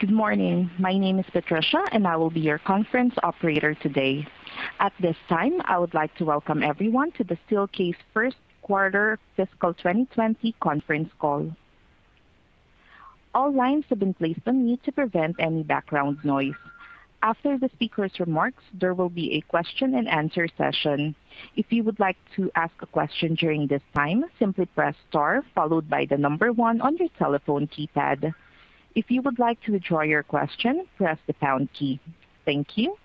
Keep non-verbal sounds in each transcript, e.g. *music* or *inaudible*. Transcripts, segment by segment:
Good morning. My name is Patricia, and I will be your conference operator today. At this time, I would like to welcome everyone to the Steelcase first quarter fiscal 2022 conference call. All lines have been placed on mute to prevent any background noise. After the speakers' remarks, there will be a question and answer session. If you would like to ask a question during this time, simply press star followed by the number one on your telephone keypad. If you would like to withdraw your question, press the pound key. Thank you.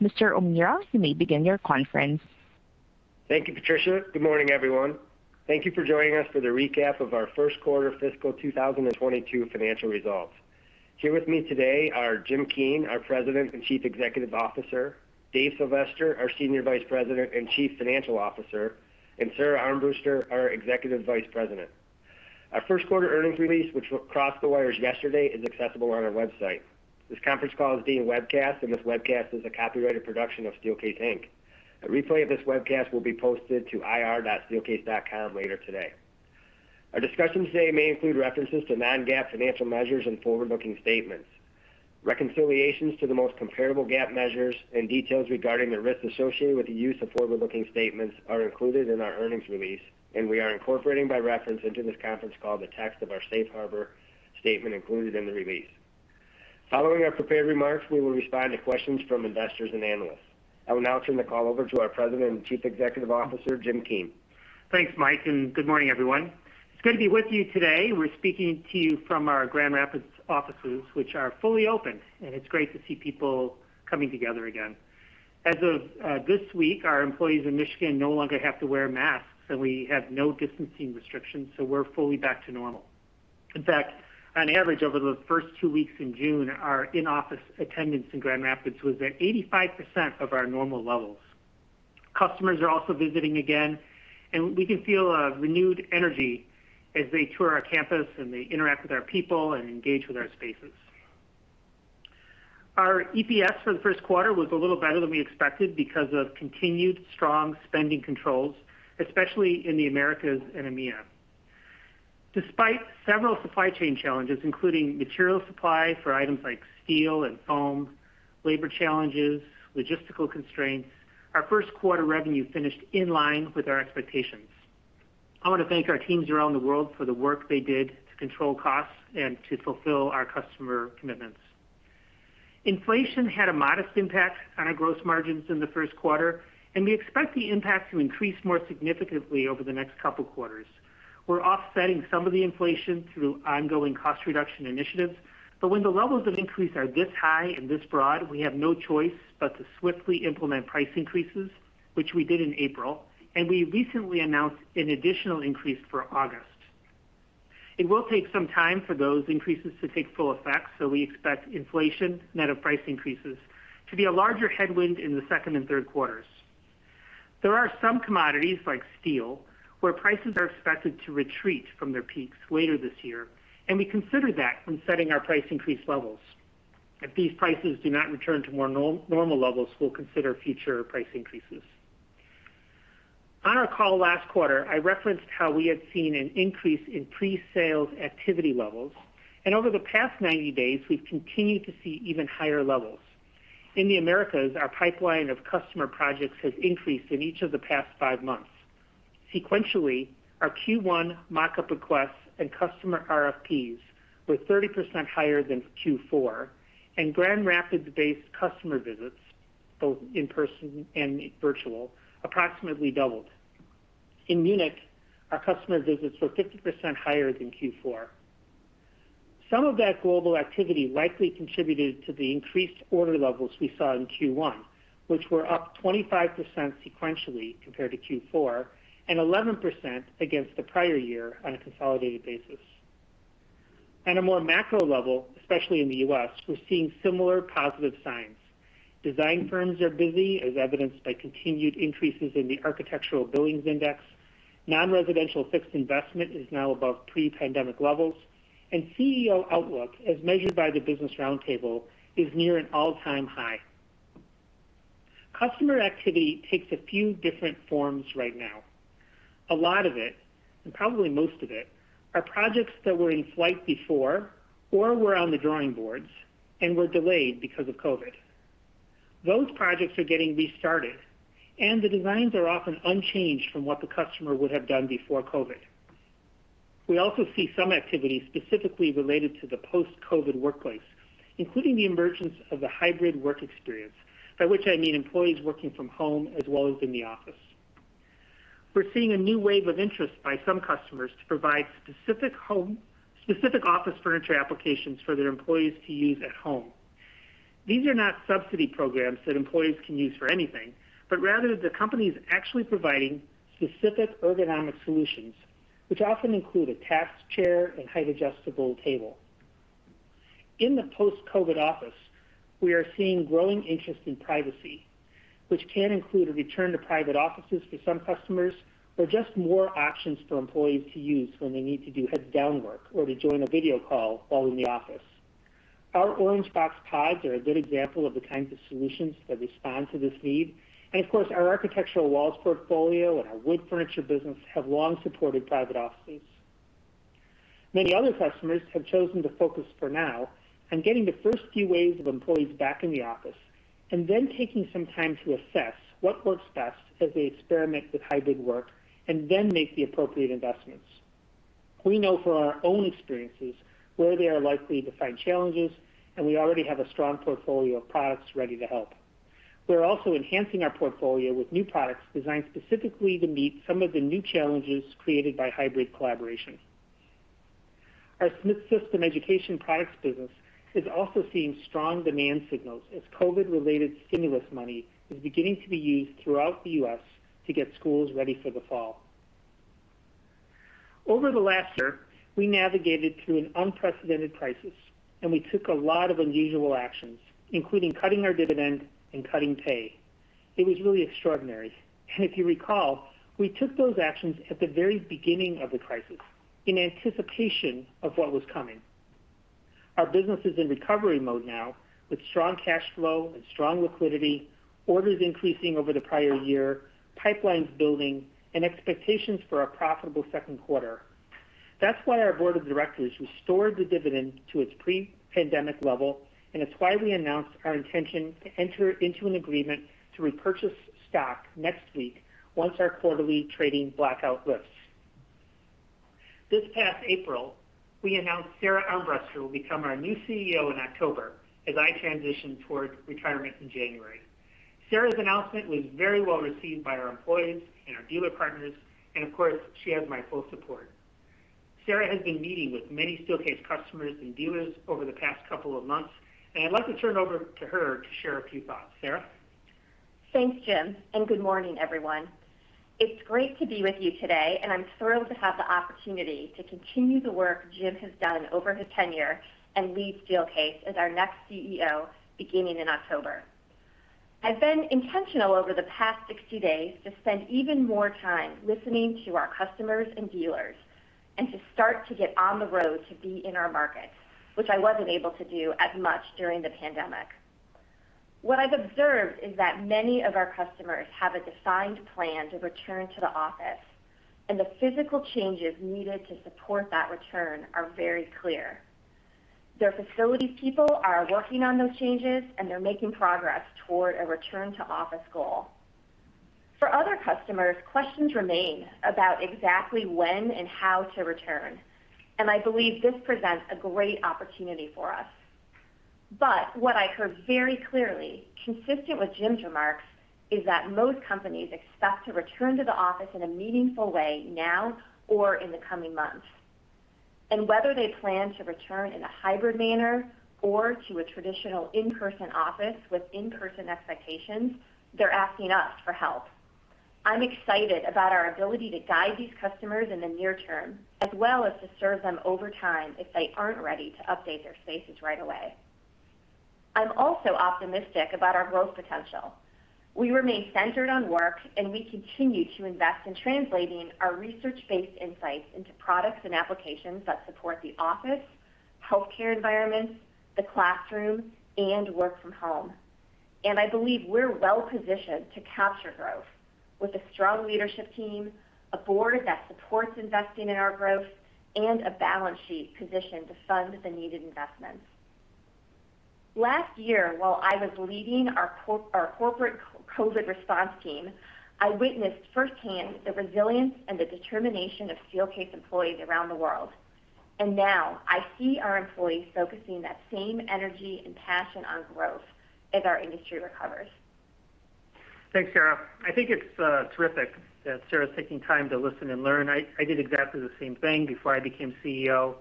Mr. O'Meara, you may begin your conference. Thank you, Patricia. Good morning, everyone. Thank you for joining us for the recap of our first quarter fiscal 2022 financial results. Here with me today are Jim Keane, our President and Chief Executive Officer, Dave Sylvester, our Senior Vice President and Chief Financial Officer, and Sara Armbruster, our Executive Vice President. Our first quarter earnings release, which crossed the wires yesterday, is accessible on our website. This conference call is being webcast, and this webcast is a copyrighted production of Steelcase Inc. A replay of this webcast will be posted to ir.steelcase.com later today. Our discussions today may include references to non-GAAP financial measures and forward-looking statements. Reconciliations to the most comparable GAAP measures and details regarding the risks associated with the use of forward-looking statements are included in our earnings release, and we are incorporating by reference into this conference call the text of our safe harbor statement included in the release. Following our prepared remarks, we will respond to questions from investors and analysts. I will now turn the call over to our President and Chief Executive Officer, Jim Keane. Thanks, Mike, and good morning, everyone. It's good to be with you today. We're speaking to you from our Grand Rapids offices, which are fully open, and it's great to see people coming together again. As of this week, our employees in Michigan no longer have to wear masks, and we have no distancing restrictions, so we're fully back to normal. In fact, on average, over the first two weeks in June, our in-office attendance in Grand Rapids was at 85% of our normal levels. Customers are also visiting again, and we can feel a renewed energy as they tour our campus, and they interact with our people and engage with our spaces. Our EPS for the first quarter was a little better than we expected because of continued strong spending controls, especially in the Americas and EMEA. Despite several supply chain challenges, including material supply for items like steel and foam, labor challenges, logistical constraints, our first quarter revenue finished in line with our expectations. I want to thank our teams around the world for the work they did to control costs and to fulfill our customer commitments. Inflation had a modest impact on our gross margins in the first quarter, and we expect the impact to increase more significantly over the next couple of quarters. We are offsetting some of the inflation through ongoing cost reduction initiatives, but when the levels of increase are this high and this broad, we have no choice but to swiftly implement price increases, which we did in April, and we recently announced an additional increase for August. It will take some time for those increases to take full effect. We expect inflation net of price increases to be a larger headwind in the second and third quarters. There are some commodities, like steel, where prices are expected to retreat from their peaks later this year. We consider that when setting our price increase levels. If these prices do not return to more normal levels, we'll consider future price increases. On our call last quarter, I referenced how we have seen an increase in pre-sales activity levels, and over the past 90 days, we've continued to see even higher levels. In the Americas, our pipeline of customer projects has increased in each of the past five months. Sequentially, our Q1 mock-up requests and customer RFPs were 30% higher than Q4, and Grand Rapids-based customer visits, both in-person and virtual, approximately doubled. In Munich, our customer visits were 50% higher than Q4. Some of that global activity likely contributed to the increased order levels we saw in Q1, which were up 25% sequentially compared to Q4 and 11% against the prior year on a consolidated basis. On a more macro level, especially in the U.S., we're seeing similar positive signs. Design firms are busy, as evidenced by continued increases in the Architecture Billings Index. Non-residential fixed investment is now above pre-pandemic levels, and CEO outlook, as measured by the Business Roundtable, is near an all-time high. Customer activity takes a few different forms right now. A lot of it, and probably most of it, are projects that were in flight before or were on the drawing boards and were delayed because of COVID. Those projects are getting restarted. The designs are often unchanged from what the customer would have done before COVID. We also see some activity specifically related to the post-COVID workplace, including the emergence of the hybrid work experience. By which I mean employees working from home as well as in the office. We're seeing a new wave of interest by some customers to provide specific office furniture applications for their employees to use at home. These are not subsidy programs that employees can use for anything, but rather the company's actually providing specific ergonomic solutions, which often include a task chair and height-adjustable table. In the post-COVID office, we are seeing growing interest in privacy, which can include a return to private offices for some customers or just more options for employees to use when they need to do head-down work or to join a video call while in the office. Our Orangebox pods are a good example of the kinds of solutions that respond to this need. Of course, our architectural walls portfolio and our wood furniture business have long supported private offices. Many other customers have chosen to focus for now on getting the first few waves of employees back in the office, and then taking some time to assess what works best as they experiment with hybrid work, and then make the appropriate investments. We know from our own experiences where they are likely to find challenges, and we already have a strong portfolio of products ready to help. We are also enhancing our portfolio with new products designed specifically to meet some of the new challenges created by hybrid collaboration. Our Smith System education products business is also seeing strong demand signals as COVID-related stimulus money is beginning to be used throughout the U.S. to get schools ready for the fall. Over the last year, we navigated through an unprecedented crisis and we took a lot of unusual actions, including cutting our dividend and cutting pay. It was really extraordinary. If you recall, we took those actions at the very beginning of the crisis in anticipation of what was coming. Our business is in recovery mode now with strong cash flow and strong liquidity, orders increasing over the prior year, pipelines building, and expectations for a profitable second quarter. That's why our board of directors restored the dividend to its pre-pandemic level, and it's why we announced our intention to enter into an agreement to repurchase stock next week once our quarterly trading blackout lifts. This past April, we announced Sara Armbruster will become our new CEO in October as I transition toward retirement in January. Sara's announcement was very well-received by our employees and our dealer partners, and of course, she has my full support. Sara has been meeting with many Steelcase customers and dealers over the past couple of months, and I'd like to turn it over to her to share a few thoughts. Sara? Thanks, Jim, and good morning, everyone. It's great to be with you today, and I'm thrilled to have the opportunity to continue the work Jim has done over his tenure and lead Steelcase as our next CEO beginning in October. I've been intentional over the past 60 days to spend even more time listening to our customers and dealers, and to start to get on the road to be in our markets, which I wasn't able to do as much during the pandemic. What I've observed is that many of our customers have a defined plan to return to the office, and the physical changes needed to support that return are very clear. Their facility people are working on those changes, and they're making progress toward a return-to-office goal. For other customers, questions remain about exactly when and how to return. I believe this presents a great opportunity for us. What I heard very clearly, consistent with Jim's remarks, is that most companies expect to return to the office in a meaningful way now or in the coming months. Whether they plan to return in a hybrid manner or to a traditional in-person office with in-person expectations, they're asking us for help. I'm excited about our ability to guide these customers in the near term, as well as to serve them over time if they aren't ready to update their spaces right away. I'm also optimistic about our growth potential. We remain centered on work, and we continue to invest in translating our research-based insights into products and applications that support the office, healthcare environments, the classroom, and work from home. I believe we're well-positioned to capture growth with a strong leadership team, a board that supports investing in our growth, and a balance sheet positioned to fund the needed investments. Last year, while I was leading our corporate COVID response team, I witnessed firsthand the resilience and the determination of Steelcase employees around the world. Now I see our employees focusing that same energy and passion on growth as our industry recovers. Thanks, Sara. I think it's terrific that Sara's taking time to listen and learn. I did exactly the same thing before I became CEO.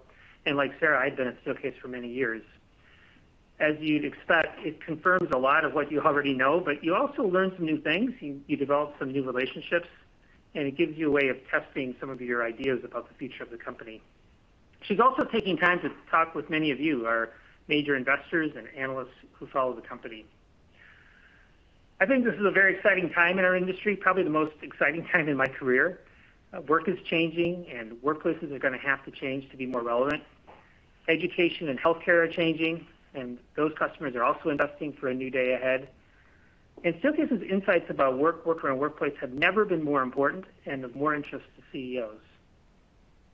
Like Sara, I'd been at Steelcase for many years. As you'd expect, it confirms a lot of what you already know, but you also learn some new things. You develop some new relationships, and it gives you a way of testing some of your ideas about the future of the company. She's also taking time to talk with many of you, our major investors and analysts who follow the company. I think this is a very exciting time in our industry, probably the most exciting time in my career. Work is changing, and workplaces are going to have to change to be more relevant. Education and healthcare are changing, and those customers are also investing for a new day ahead. Steelcase's insights about work, worker, and workplace have never been more important and of more interest to CEOs.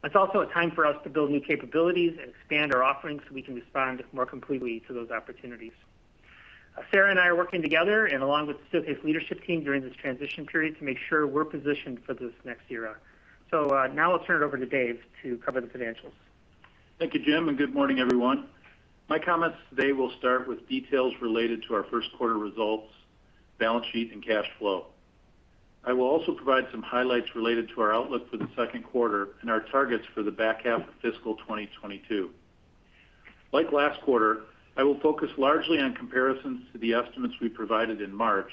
It's also a time for us to build new capabilities and expand our offerings so we can respond more completely to those opportunities. Sara and I are working together and along with Steelcase leadership team during this transition period to make sure we're positioned for this next era. Now I'll turn it over to Dave to cover the financials. Thank you, Jim, and good morning, everyone. My comments today will start with details related to our first quarter results, balance sheet, and cash flow. I will also provide some highlights related to our outlook for the second quarter and our targets for the back half of fiscal 2022. Like last quarter, I will focus largely on comparisons to the estimates we provided in March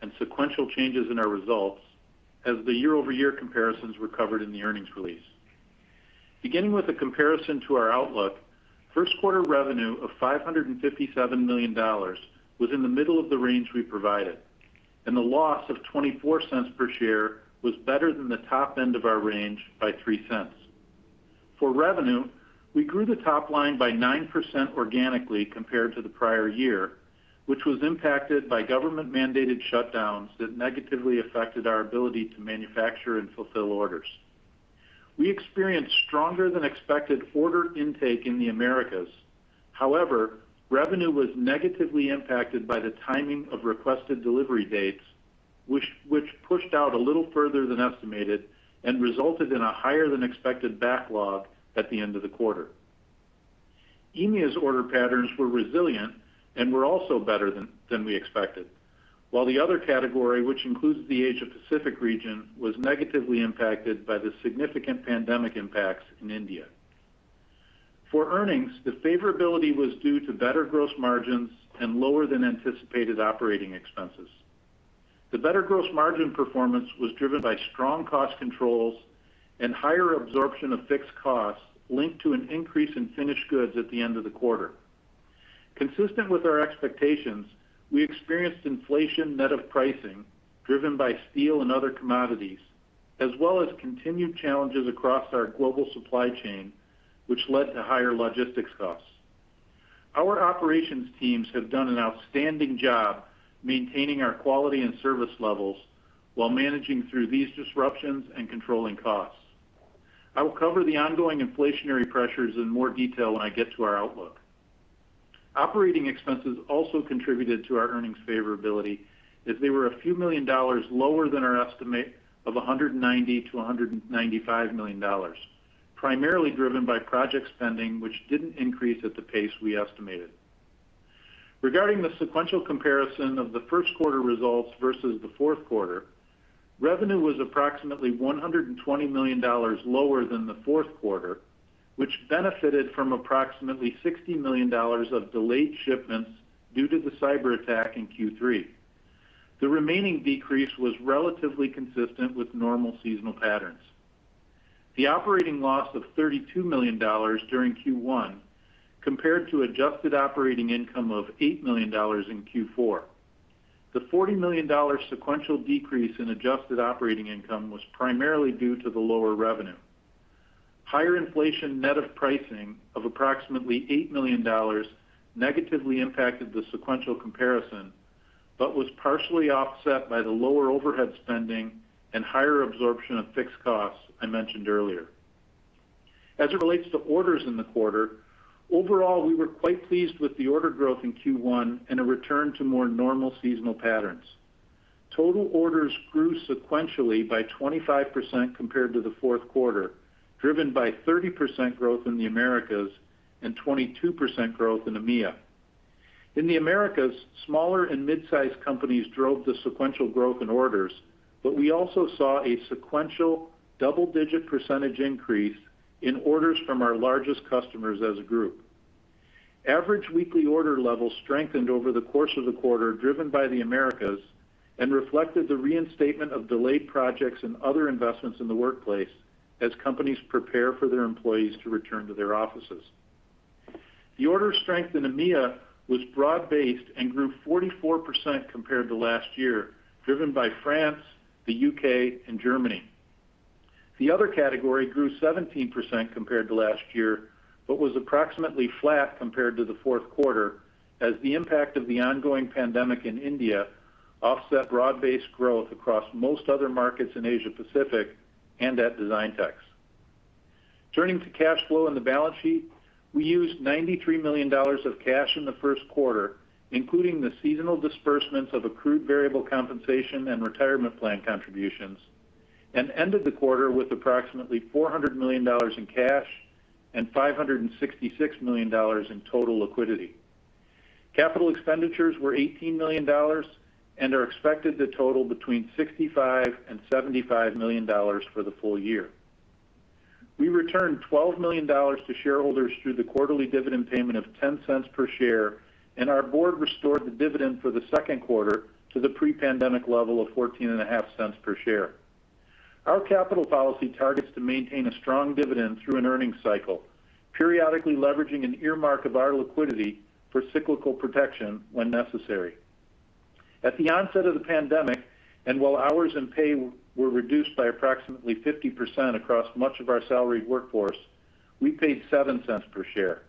and sequential changes in our results as the year-over-year comparisons were covered in the earnings release. Beginning with a comparison to our outlook, first quarter revenue of $557 million was in the middle of the range we provided. The loss of $0.24 per share was better than the top end of our range by $0.03. For revenue, we grew the top line by 9% organically compared to the prior year, which was impacted by government-mandated shutdowns that negatively affected our ability to manufacture and fulfill orders. We experienced stronger than expected order intake in the Americas. However, revenue was negatively impacted by the timing of requested delivery dates, which pushed out a little further than estimated and resulted in a higher than expected backlog at the end of the quarter. EMEA's order patterns were resilient and were also better than we expected. While the other category, which includes the Asia Pacific region, was negatively impacted by the significant pandemic impacts in India. For earnings, the favorability was due to better gross margins and lower than anticipated operating expenses. The better gross margin performance was driven by strong cost controls and higher absorption of fixed costs linked to an increase in finished goods at the end of the quarter. Consistent with our expectations, we experienced inflation net of pricing driven by steel and other commodities, as well as continued challenges across our global supply chain, which led to higher logistics costs. Our operations teams have done an outstanding job maintaining our quality and service levels while managing through these disruptions and controlling costs. I will cover the ongoing inflationary pressures in more detail when I get to our outlook. Operating expenses also contributed to our earnings favorability, as they were a few million dollars lower than our estimate of $190 million-$195 million, primarily driven by project spending, which didn't increase at the pace we estimated. Regarding the sequential comparison of the 1st quarter results versus the fourth quarter, revenue was approximately $120 million lower than the fourth quarter, which benefited from approximately $60 million of delayed shipments due to the cyber attack in Q3. The remaining decrease was relatively consistent with normal seasonal patterns. The operating loss of $32 million during Q1 compared to adjusted operating income of $8 million in Q4. The $40 million sequential decrease in adjusted operating income was primarily due to the lower revenue. Higher inflation net of pricing of approximately $8 million negatively impacted the sequential comparison, but was partially offset by the lower overhead spending and higher absorption of fixed costs I mentioned earlier. As it relates to orders in the quarter, overall, we were quite pleased with the order growth in Q1 and a return to more normal seasonal patterns. Total orders grew sequentially by 25% compared to the fourth quarter, driven by 30% growth in the Americas and 22% growth in EMEA. In the Americas, smaller and mid-size companies drove the sequential growth in orders, but we also saw a sequential double-digit percentage increase in orders from our largest customers as a group. Average weekly order levels strengthened over the course of the quarter, driven by the Americas, and reflected the reinstatement of delayed projects and other investments in the workplace as companies prepare for their employees to return to their offices. The order strength in EMEA was broad-based and grew 44% compared to last year, driven by France, the U.K., and Germany. The other category grew 17% compared to last year, but was approximately flat compared to the fourth quarter as the impact of the ongoing pandemic in India offset broad-based growth across most other markets in Asia Pacific and at Designtex. Turning to cash flow and the balance sheet, we used $93 million of cash in the first quarter, including the seasonal disbursements of accrued variable compensation and retirement plan contributions, and ended the quarter with approximately $400 million in cash and $566 million in total liquidity. Capital expenditures were $18 million and are expected to total between $65 million and $75 million for the full year. We returned $12 million to shareholders through the quarterly dividend payment of $0.10 per share, and our board restored the dividend for the second quarter to the pre-pandemic level of $0.145 per share. Our capital policy targets to maintain a strong dividend through an earnings cycle, periodically leveraging an earmark of our liquidity for cyclical protection when necessary. At the onset of the pandemic, and while hours and pay were reduced by approximately 50% across much of our salaried workforce, we paid $0.07 per share,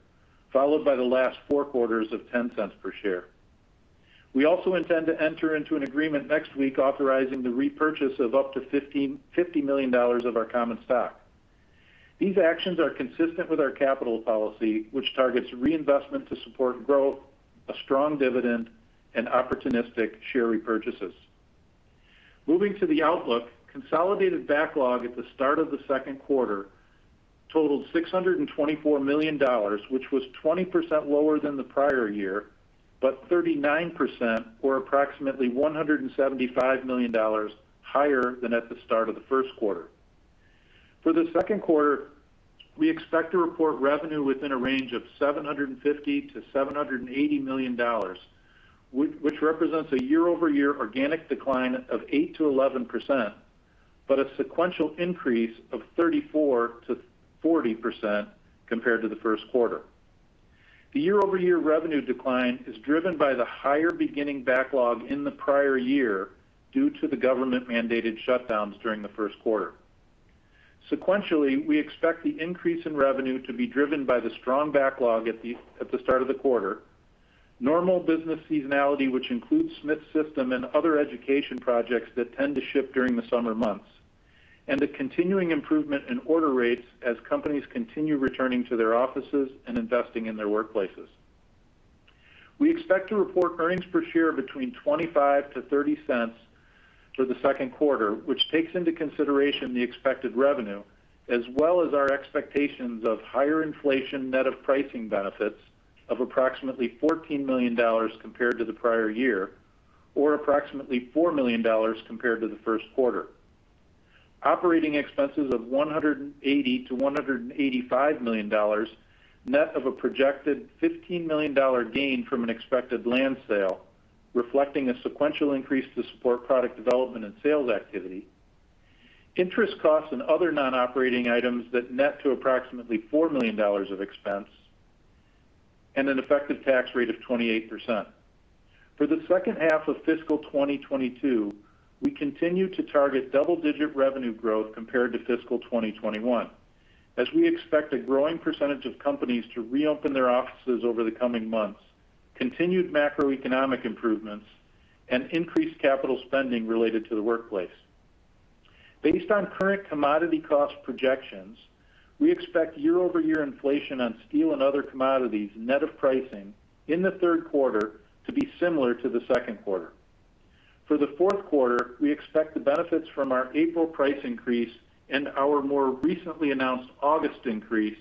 followed by the last four quarters of $0.10 per share. We also intend to enter into an agreement next week authorizing the repurchase of up to $50 million of our common stock. These actions are consistent with our capital policy, which targets reinvestment to support growth, a strong dividend, and opportunistic share repurchases. Moving to the outlook, consolidated backlog at the start of the second quarter totaled $624 million, which was 20% lower than the prior year, but 39%, or approximately $175 million higher than at the start of the first quarter. For the second quarter, we expect to report revenue within a range of $750 million-$780 million, which represents a year-over-year organic decline of 8%-11%, but a sequential increase of 34%-40% compared to the first quarter. The year-over-year revenue decline is driven by the higher beginning backlog in the prior year due to the government-mandated shutdowns during the first quarter. Sequentially, we expect the increase in revenue to be driven by the strong backlog at the start of the quarter. Normal business seasonality, which includes Smith System and other education projects that tend to ship during the summer months, and the continuing improvement in order rates as companies continue returning to their offices and investing in their workplaces. We expect to report earnings per share between $0.25-$0.30 for the Q2, which takes into consideration the expected revenue as well as our expectations of higher inflation net of pricing benefits of approximately $14 million compared to the prior year, or approximately $4 million compared to the Q1. Operating expenses of $180 million-$185 million, net of a projected $15 million gain from an expected land sale, reflecting a sequential increase to support product development and sales activity. Interest costs and other non-operating items that net to approximately $4 million of expense, and an effective tax rate of 28%. For the second half of fiscal 2022, we continue to target double-digit revenue growth compared to fiscal 2021, as we expect a growing percentage of companies to reopen their offices over the coming months, continued macroeconomic improvements, and increased capital spending related to the workplace. Based on current commodity cost projections, we expect year-over-year inflation on steel and other commodities net of pricing in the third quarter to be similar to the second quarter. For the fourth quarter, we expect the benefits from our April price increase and our more recently announced August increase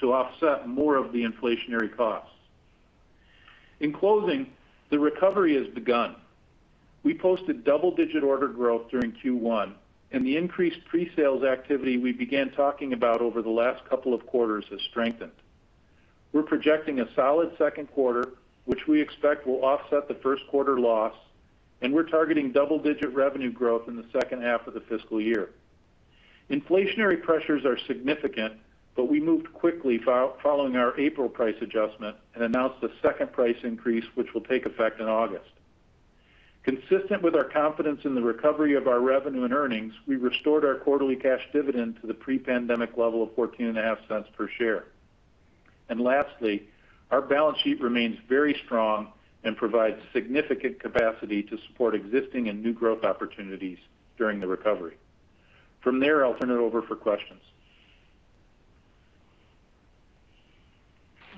to offset more of the inflationary costs. In closing, the recovery has begun. We posted double-digit order growth during Q1, and the increased pre-sales activity we began talking about over the last couple of quarters has strengthened. We're projecting a solid second quarter, which we expect will offset the first quarter loss, and we're targeting double-digit revenue growth in the second half of the fiscal year. Inflationary pressures are significant, but we moved quickly following our April price adjustment and announced a second price increase, which will take effect in August. Consistent with our confidence in the recovery of our revenue and earnings, we restored our quarterly cash dividend to the pre-pandemic level of $0.145 per share. Lastly, our balance sheet remains very strong and provides significant capacity to support existing and new growth opportunities during the recovery. From there, I'll turn it over for questions.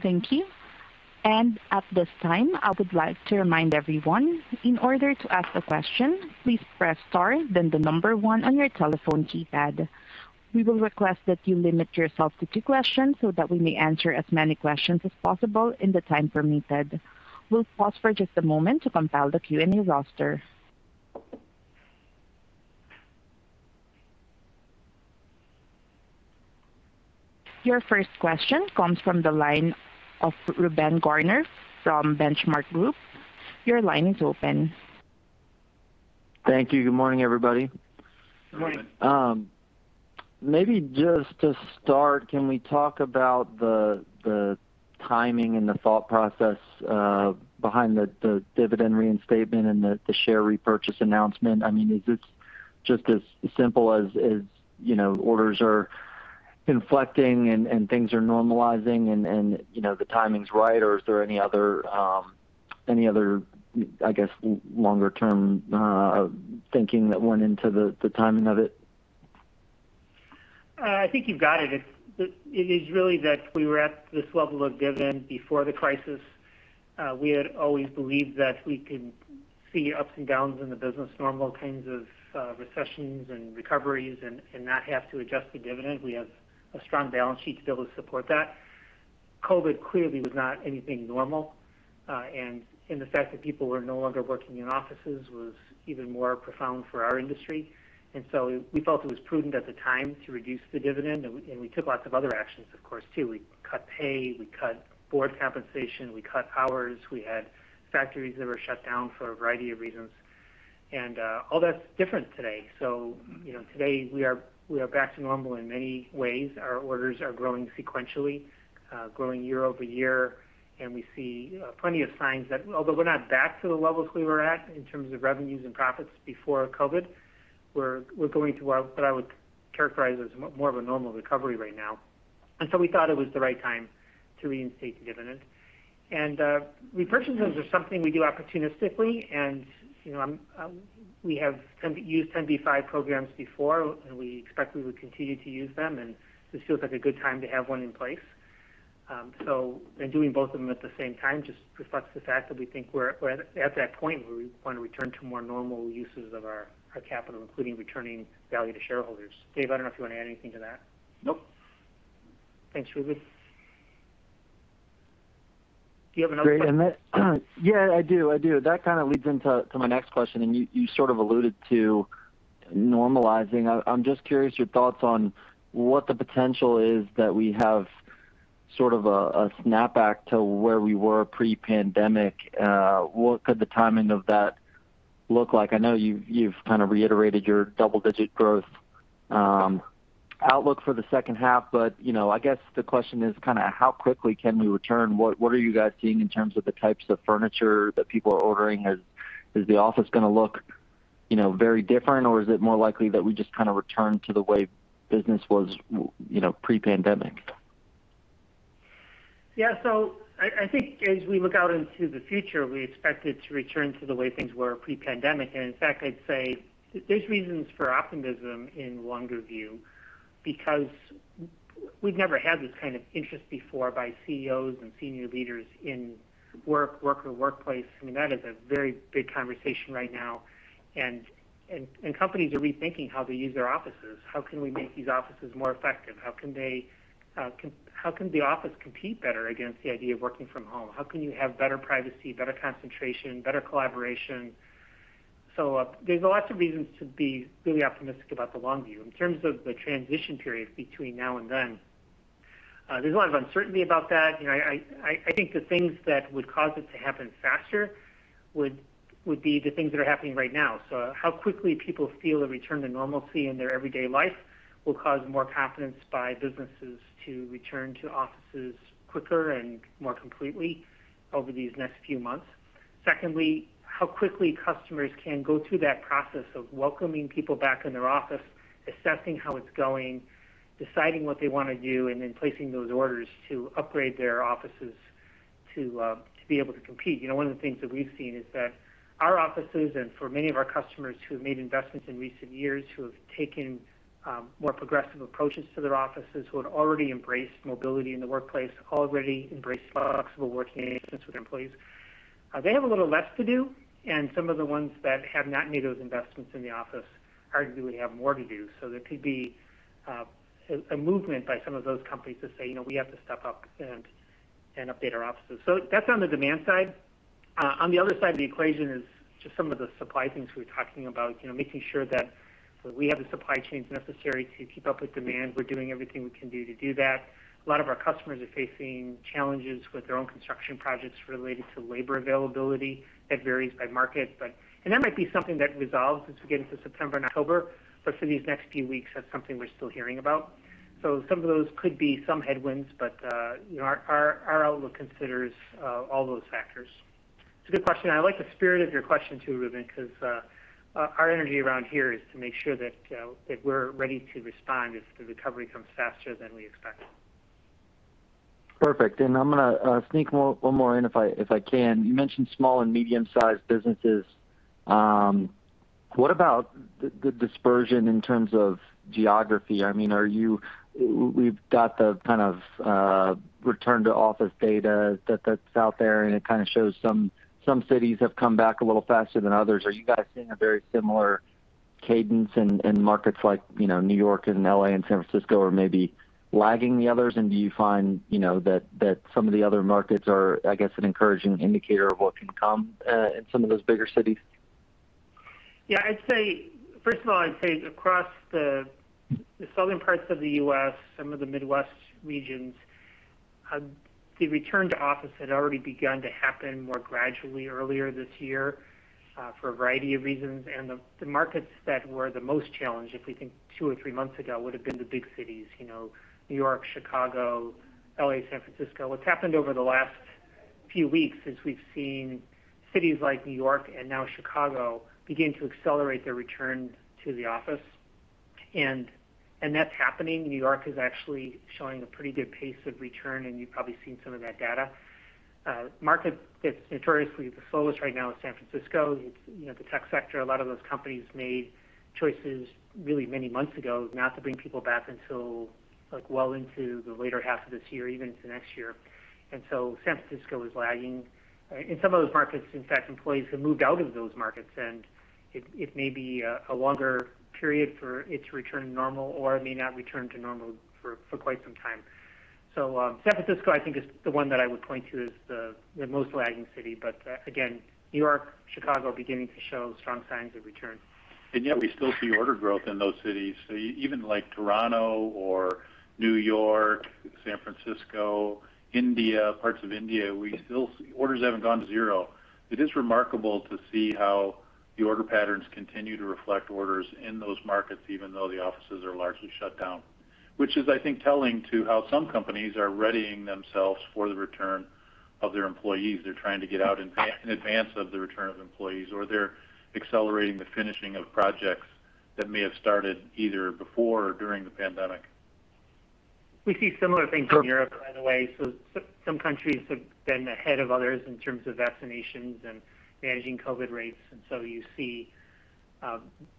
Thank you. At this time, I would like to remind everyone, in order to ask a question, please press star then the number one on your telephone keypad. We will request that you limit yourself to two questions so that we may answer as many questions as possible in the time permitted. We'll pause for just a moment to compile the Q&A roster. Your first question comes from the line of Reuben Garner from The Benchmark Company. Your line is open. Thank you. Good morning, everybody. Good morning. Maybe just to start, can we talk about the timing and the thought process behind the dividend reinstatement and the share repurchase announcement? Is it just as simple as orders are inflecting and things are normalizing and the timing's right? Or is there any other longer-term thinking that went into the timing of it? I think you've got it. It is really that we were at this level of dividend before the crisis. We had always believed that we could see ups and downs in the business, normal kinds of recessions and recoveries, and not have to adjust the dividend. We have a strong balance sheet to be able to support that. COVID clearly was not anything normal, and the fact that people were no longer working in offices was even more profound for our industry. We felt it was prudent at the time to reduce the dividend, and we took lots of other actions, of course, too. We cut pay, we cut board compensation, we cut hours. We had factories that were shut down for a variety of reasons. All that's different today. Today we are back to normal in many ways. Our orders are growing sequentially, growing year-over-year. We see plenty of signs that although we're not back to the levels we were at in terms of revenues and profits before COVID, we're going through what I would characterize as more of a normal recovery right now. We thought it was the right time to reinstate the dividend. Repurchase plans are something we do opportunistically, and we have used 10b5-1 programs before, and we expect we will continue to use them. This feels like a good time to have one in place. Doing both of them at the same time just reflects the fact that we think we're at that point where we want to return to more normal uses of our capital, including returning value to shareholders. Dave, I don't know if you want to add anything to that. Nope. Thanks, Reuben. Do you have another question? Yeah, I do. That kind of leads into my next question. You sort of alluded to normalizing. I'm just curious your thoughts on what the potential is that we have sort of a snapback to where we were pre-pandemic. What could the timing of that look like? I know you've kind of reiterated your double-digit growth outlook for the second half. I guess the question is how quickly can we return? What are you guys seeing in terms of the types of furniture that people are ordering? Is the office going to look very different, or is it more likely that we just return to the way business was pre-pandemic? Yeah. I think as we look out into the future, we expect it to return to the way things were pre-pandemic. In fact, I'd say there's reasons for optimism in longer view because we've never had this kind of interest before by CEOs and senior leaders in work, worker, workplace. I mean, that is a very big conversation right now, and companies are rethinking how they use their offices. How can we make these offices more effective? How can the office compete better against the idea of working from home? How can you have better privacy, better concentration, better collaboration? There's lots of reasons to be really optimistic about the long view. In terms of the transition periods between now and then, there's a lot of uncertainty about that. I think the things that would cause it to happen faster would be the things that are happening right now. How quickly people feel a return to normalcy in their everyday life will cause more confidence by businesses to return to offices quicker and more completely over these next few months. Secondly, how quickly customers can go through that process of welcoming people back in their office, assessing how it's going, deciding what they want to do, and then placing those orders to upgrade their offices to be able to compete. One of the things that we've seen is that our offices, and for many of our customers who have made investments in recent years who have taken more progressive approaches to their offices, who had already embraced mobility in the workplace, already embraced flexible working arrangements with employees, they have a little less to do. Some of the ones that have not made those investments in the office arguably have more to do. There could be a movement by some of those companies to say, "We have to step up and update our offices." That's on the demand side. On the other side of the equation is just some of the supply chains we're talking about. Making sure that we have the supply chains necessary to keep up with demand. We're doing everything we can do to do that. A lot of our customers are facing challenges with their own construction projects related to labor availability. That varies by market. That might be something that resolves as we get into September and October. For these next few weeks, that's something we're still hearing about. Some of those could be some headwinds, but our outlook considers all those factors. It's a good question. I like the spirit of your question, too, Reuben, because our energy around here is to make sure that we're ready to respond if the recovery comes faster than we expect. Perfect. I'm going to sneak one more in, if I can. You mentioned small and medium sized businesses. What about the dispersion in terms of geography? I mean, we've got the kind of return to office data that's out there, and it kind of shows some cities have come back a little faster than others. Are you guys seeing a very similar cadence in markets like New York and L.A. and San Francisco are maybe lagging the others? Do you find that some of the other markets are, I guess, an encouraging indicator of what can come in some of those bigger cities? Yeah. First of all, I'd say across the southern parts of the U.S., some of the Midwest regions, the return to office had already begun to happen more gradually earlier this year for a variety of reasons. The markets that were the most challenged, if we think two or three months ago, would've been the big cities. New York, Chicago, L.A., San Francisco. What's happened over the last few weeks since we've seen cities like New York and now Chicago begin to accelerate their return to the office, and that's happening. New York is actually showing a pretty good pace of return, and you've probably seen some of that data. Market that's notoriously the slowest right now is San Francisco. The tech sector, a lot of those companies made choices really many months ago not to bring people back until well into the later half of this year, even to next year. San Francisco is lagging. In some of those markets, in fact, employees have moved out of those markets, and it may be a longer period for it to return to normal or it may not return to normal for quite some time. San Francisco, I think, is the one that I would point to as the most lagging city. Again, New York, Chicago beginning to show strong signs of return. Yet we still see order growth in those cities. Even Toronto or New York, San Francisco, India, parts of India, orders haven't gone to zero. It is remarkable to see how the order patterns continue to reflect orders in those markets, even though the offices are largely shut down. Which is, I think, telling to how some companies are readying themselves for the return of their employees. They're trying to get out in advance of the return of employees, or they're accelerating the finishing of projects that may have started either before or during the pandemic. We see similar things in Europe, by the way. Some countries have been ahead of others in terms of vaccinations and managing COVID rates, and so you see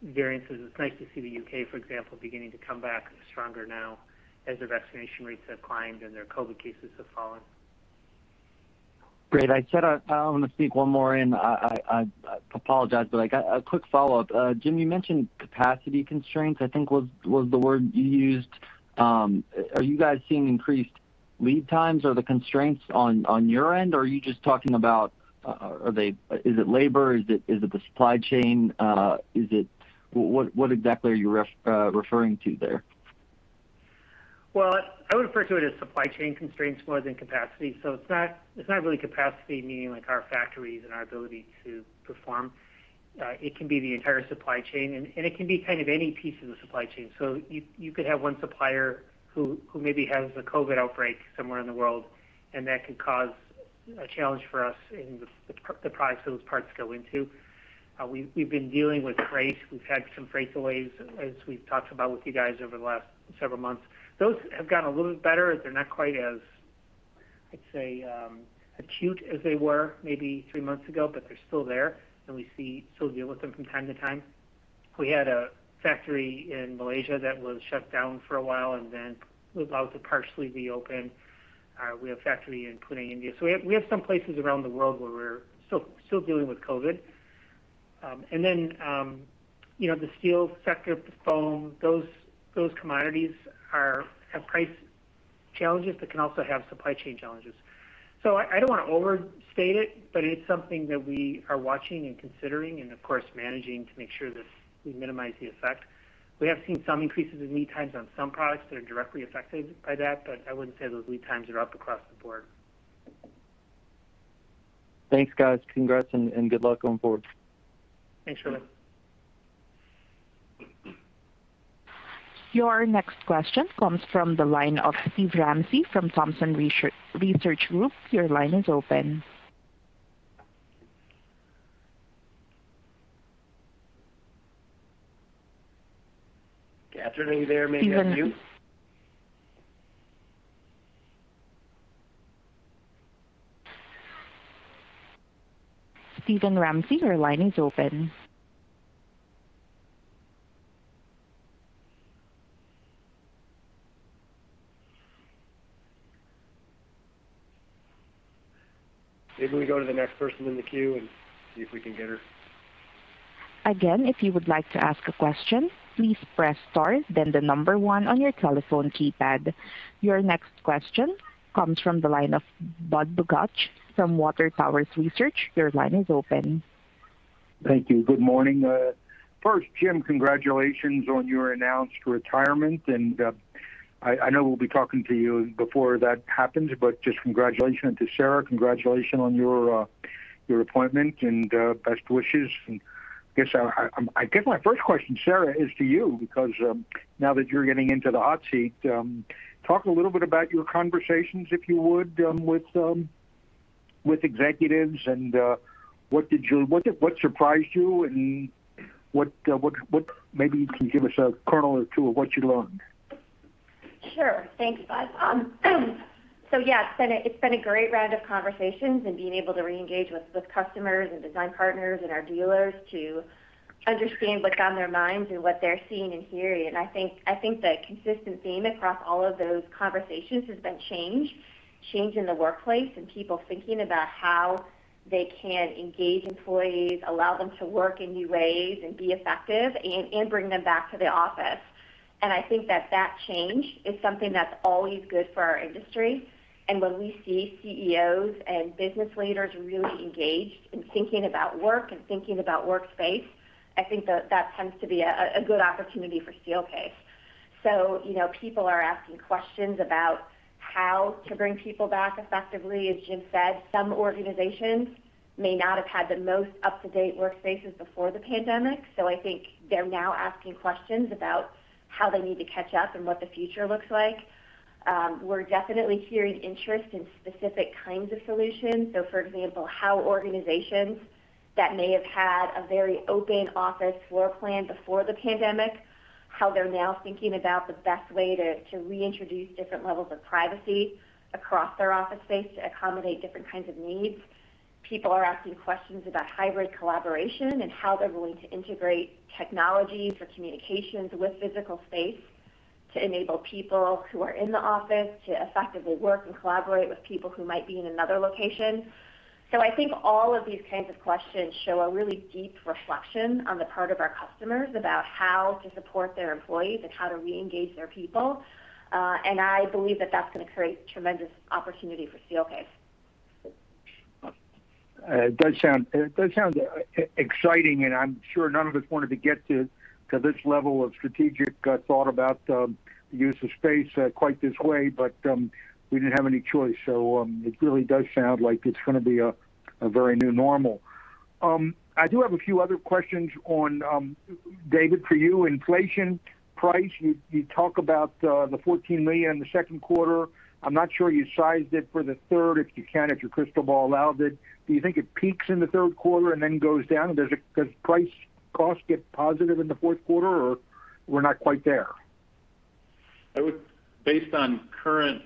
variances. It's nice to see the U.K., for example, beginning to come back stronger now as their vaccination rates have climbed and their COVID cases have fallen. Great. I want to sneak one more in. I apologize. A quick follow-up. Jim, you mentioned capacity constraints, I think was the word you used. Are you guys seeing increased lead times? Are the constraints on your end, or are you just talking about is it labor? Is it the supply chain? What exactly are you referring to there? Well, I would refer to it as supply chain constraints more than capacity. It's not really capacity, meaning our factories and our ability to perform. It can be the entire supply chain, and it can be any piece of the supply chain. You could have one supplier who maybe has a COVID outbreak somewhere in the world, and that could cause a challenge for us in the products those parts go into. We've been dealing with freight. We've had some freight delays, as we've talked about with you guys over the last several months. Those have gotten a little better. They're not quite as, I'd say, acute as they were maybe three months ago, but they're still there, and we still deal with them from time to time. We had a factory in Malaysia that was shut down for a while and then was able to partially reopen. We have a factory in Pune, India. We have some places around the world where we're still dealing with COVID. The steel sector, the foam, those commodities have price challenges that can also have supply chain challenges. I don't want to overstate it, but it's something that we are watching and considering and of course, managing to make sure that we minimize the effect. We have seen some increases in lead times on some products that are directly affected by that, but I wouldn't say those lead times are up across the board. Thanks, guys. Congrats and good luck going forward. Thanks, Reuben. Your next question comes from the line of Steve Ramsey from Thompson Research Group. Your line is open. Kathryn, are you there? Maybe I can mute. Steven Ramsey, your line is open. Maybe we go to the next person in the queue and see if we can get her. Again, if you would like to ask a question, please press star, then the number one on your telephone keypad. Your next question comes from the line of Budd Bugatch from Water Tower Research. Your line is open. Thank you. Good morning. First, Jim, congratulations on your announced retirement, and I know we'll be talking to you before that happens, but just congratulations. To Sara, congratulations on your appointment, and best wishes. I guess my first question, Sara, is to you, because now that you're getting into the hot seat, talk a little bit about your conversations, if you would, with executives, and what surprised you and maybe you can give us a kernel or two of what you learned. Sure. Thank you, Budd. Yeah, it's been a great round of conversations and being able to reengage with customers and design partners and our dealers to understand what's on their minds and what they're seeing and hearing. I think the consistent theme across all of those conversations has been change in the workplace, and people thinking about how they can engage employees, allow them to work in new ways and be effective and bring them back to the office. I think that that change is something that's always good for our industry. When we see CEOs and business leaders really engaged in thinking about work and thinking about workspace, I think that tends to be a good opportunity for Steelcase. People are asking questions about how to bring people back effectively. As Jim said, some organizations may not have had the most up-to-date workspaces before the pandemic. I think they're now asking questions about how they need to catch up and what the future looks like. We're definitely hearing interest in specific kinds of solutions. For example, how organizations that may have had a very open office floor plan before the pandemic, how they're now thinking about the best way to reintroduce different levels of privacy across their office space to accommodate different kinds of needs. People are asking questions about hybrid collaboration and how they're going to integrate technologies for communications with physical space to enable people who are in the office to effectively work and collaborate with people who might be in another location. I think all of these kinds of questions show a really deep reflection on the part of our customers about how to support their employees and how to reengage their people. I believe that that's going to create tremendous opportunity for Steelcase. It does sound exciting, and I'm sure none of us wanted to get to this level of strategic thought about the use of space quite this way, but we didn't have any choice. It really does sound like it's going to be a very new normal. I do have a few other questions on, Dave, for you, inflation, price. You talk about the $14 million in the second quarter. I'm not sure you sized it for the third, if you can, if your crystal ball allows it. Do you think it peaks in the third quarter and then goes down? Does price cost get positive in the fourth quarter, or we're not quite there? I would, based on current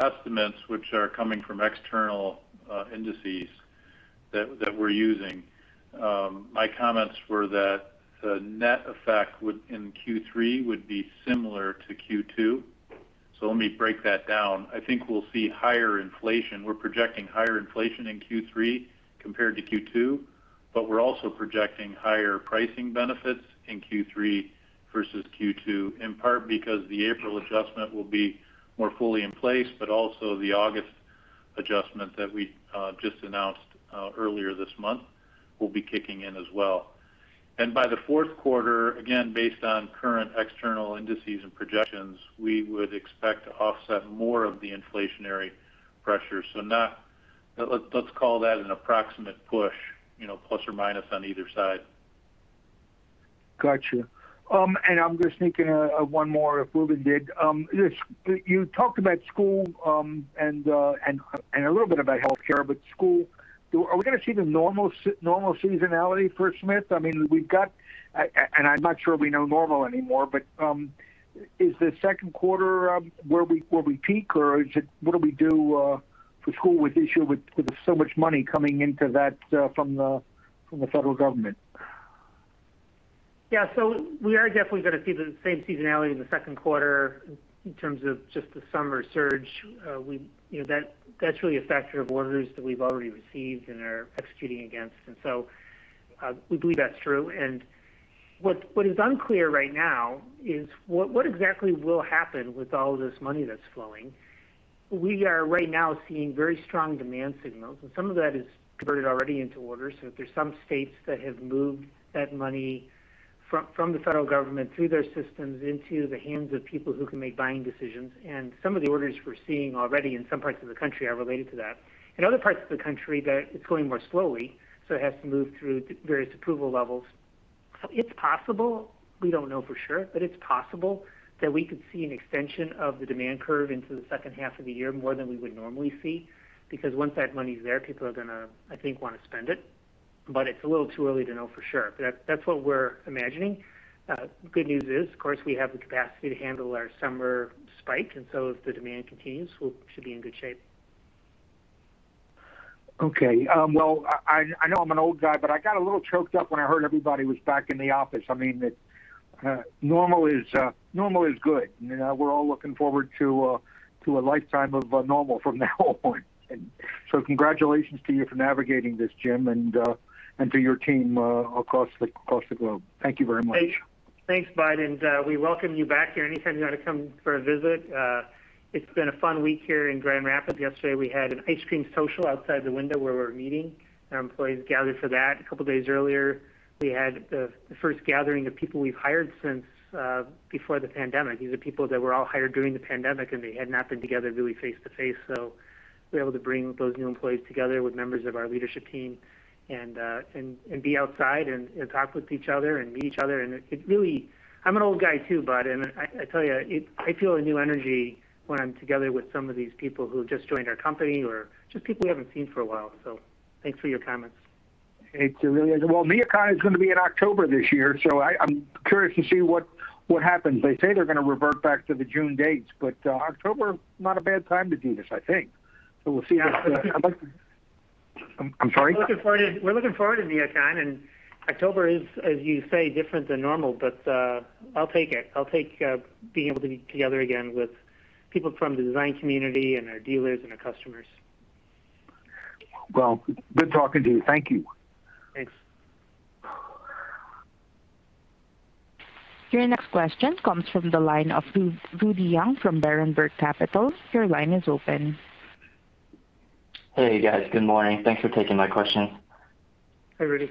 estimates, which are coming from external indices that we're using. My comments were that the net effect within Q3 would be similar to Q2. Let me break that down. I think we'll see higher inflation. We're projecting higher inflation in Q3 compared to Q2, but we're also projecting higher pricing benefits in Q3 versus Q2, in part because the April adjustment will be more fully in place, but also the August adjustment that we just announced earlier this month will be kicking in as well. By the fourth quarter, again, based on current external indices and projections, we would expect to offset more of the inflationary pressures. Let's call that an approximate push, plus or minus on either side. Got you. I'm just thinking of one more if *audio distortion* did. You talked about school and a little bit about healthcare, school, are we going to see the normal seasonality for Smith? I mean, we've got, I'm not sure we know normal anymore, is the second quarter where we peak, or is it what do we do for school with this year with so much money coming into that from the federal government? We are definitely going to see the same seasonality in the second quarter in terms of just the summer surge. That's really a factor of orders that we've already received and are executing against. We believe that's true. What is unclear right now is what exactly will happen with all this money that's flowing. We are right now seeing very strong demand signals, and some of that is converted already into orders. There's some states that have moved that money from the federal government through their systems into the hands of people who can make buying decisions. Some of the orders we're seeing already in some parts of the country are related to that. In other parts of the country, it's going more slowly, so it has to move through various approval levels. It's possible, we don't know for sure, but it's possible that we could see an extension of the demand curve into the second half of the year more than we would normally see, because once that money's there, people are going to, I think, want to spend it. It's a little too early to know for sure. That's what we're imagining. Good news is, of course, we have the capacity to handle our summer spike. If the demand continues, we should be in good shape. Okay. Well, I know I'm an old guy, but I got a little choked up when I heard everybody was back in the office. I mean, normal is good. We're all looking forward to a lifetime of normal from now on. Congratulations to you for navigating this, Jim, and to your team across the globe. Thank you very much. Thanks, Budd, and we welcome you back here anytime you want to come for a visit. It's been a fun week here in Grand Rapids. Yesterday, we had an ice cream social outside the window where we're meeting. Our employees gathered for that. A couple of days earlier, we had the first gathering of people we've hired since before the pandemic. These are people that were all hired during the pandemic, and they hadn't been together really face-to-face. We were able to bring those new employees together with members of our leadership team and be outside and talk with each other and meet each other. It really, I'm an old guy, too, Budd and I tell you, I feel a new energy when I'm together with some of these people who have just joined our company or just people we haven't seen for a while. Thanks for your comments. It's really, well, NeoCon's going to be in October this year. I'm curious to see what happens. They say they're going to revert back to the June dates. October, not a bad time to do this, I think. We'll see how it goes. I'm sorry? We're looking forward to NeoCon. October is, as you say, different than normal. I'll take it. I'll take being able to be together again with people from the design community and our dealers and our customers. Well, good talking to you. Thank you. Thanks. Your next question comes from the line of Rudy Yang from Berenberg Capital Markets. Your line is open. Hey, guys. Good morning. Thanks for taking my question. Hi, Rudy.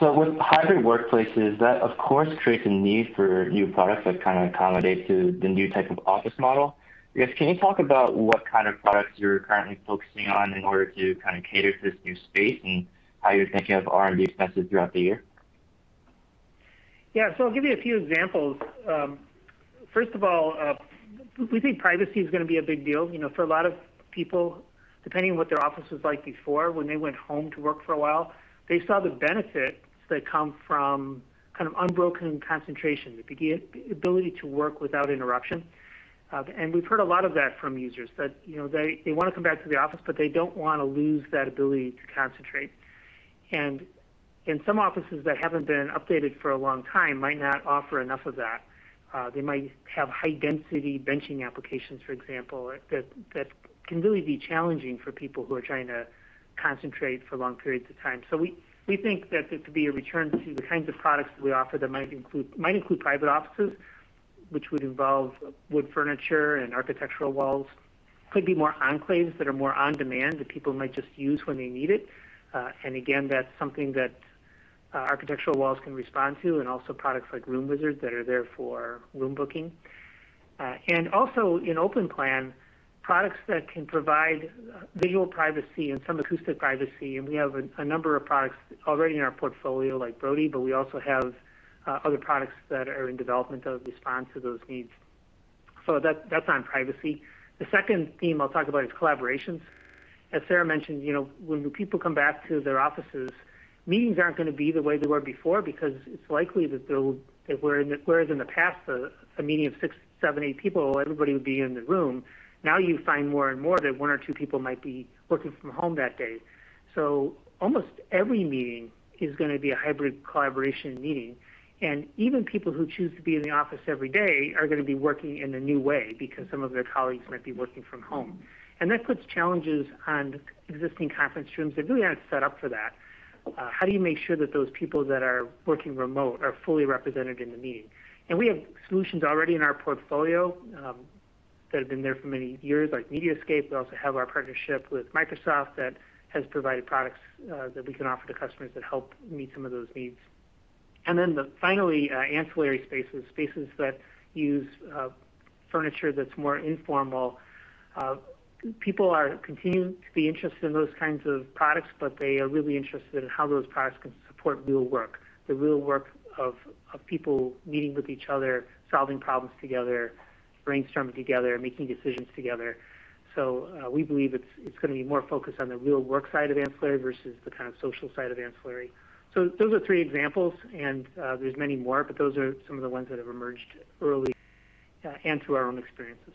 With hybrid workplaces, that of course creates a need for new products that kind of accommodate to the new type of office model. Can you talk about what kind of products you're currently focusing on in order to kind of cater to this new space and how you're thinking of R&D expenses throughout the year? I'll give you a few examples. First of all, we think privacy is going to be a big deal. For a lot of people, depending on what their office was like before, when they went home to work for a while, they saw the benefits that come from kind of unbroken concentration, the ability to work without interruption. We've heard a lot of that from users, that they want to come back to the office, but they don't want to lose that ability to concentrate. Some offices that haven't been updated for a long time might not offer enough of that. They might have high-density benching applications, for example, that can really be challenging for people who are trying to concentrate for long periods of time. We think that there could be a return to the kinds of products we offer that might include private offices, which would involve wood furniture and architectural walls. Could be more enclaves that are more on-demand that people might just use when they need it. Again, that's something that architectural walls can respond to, and also products like RoomWizard that are there for room booking. Also in open plan, products that can provide visual privacy and some acoustic privacy, and we have a number of products already in our portfolio like Brody, but we also have other products that are in development that respond to those needs. That's on privacy. The second theme I'll talk about is collaboration. As Sara mentioned, when people come back to their offices, meetings aren't going to be the way they were before because it's likely that there will, whereas in the past, a meeting of six, seven, eight people, everybody would be in the room. Now you find more and more that one or two people might be working from home that day. Almost every meeting is going to be a hybrid collaboration meeting. Even people who choose to be in the office every day are going to be working in a new way because some of their colleagues might be working from home. That puts challenges on existing conference rooms that really aren't set up for that. How do you make sure that those people that are working remote are fully represented in the meeting? We have solutions already in our portfolio that have been there for many years, like media:scape. We also have our partnership with Microsoft that has provided products that we can offer to customers that help meet some of those needs. Finally, ancillary spaces. Spaces that use furniture that's more informal. People continue to be interested in those kinds of products, but they are really interested in how those products can support real work, the real work of people meeting with each other, solving problems together, brainstorming together, making decisions together. We believe it's going to be more focused on the real work side of ancillary versus the kind of social side of ancillary. Those are three examples, and there's many more, but those are some of the ones that have emerged early and through our own experiences.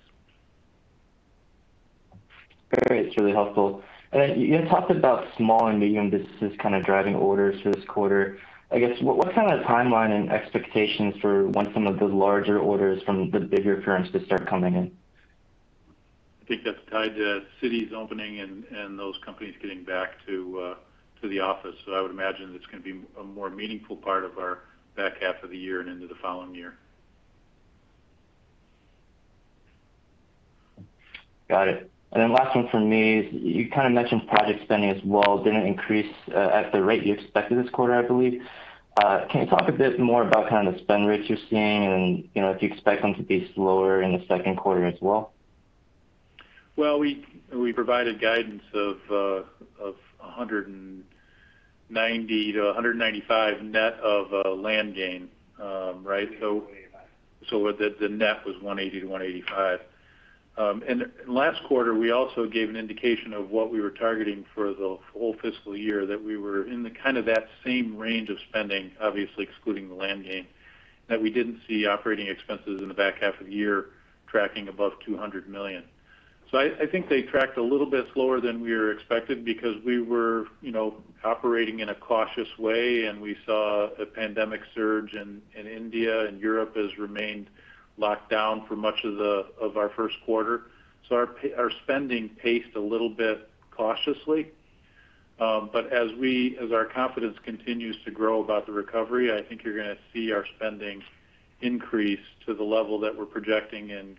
Great. That's really helpful. You had talked about small and medium businesses kind of driving orders for this quarter. I guess, what's the kind of timeline and expectations for when some of the larger orders from the bigger firms to start coming in? I think that's tied to cities opening and those companies getting back to the office. I would imagine it's going to be a more meaningful part of our back half of the year and into the following year. Got it. Last one from me. You kind of mentioned project spending as well didn't increase at the rate you expected this quarter, I believe. Can you talk a bit more about the kind of spend rates you're seeing, and do you expect them to be slower in the second quarter as well? Well, we provided guidance of $190-$195 net of land gain. Right? The net was $180-$185. Last quarter, we also gave an indication of what we were targeting for the full fiscal year, that we were in that same range of spending, obviously excluding the land gain, that we didn't see operating expenses in the back half of the year tracking above $200 million. I think they tracked a little bit lower than we had expected because we were operating in a cautious way, and we saw a pandemic surge in India, and Europe has remained locked down for much of our first quarter. Our spending paced a little bit cautiously. As our confidence continues to grow about the recovery, I think you're going to see our spending increase to the level that we're projecting in